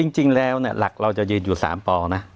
จริงแล้วหลักเราจะยืนอยู่๓ปอนะ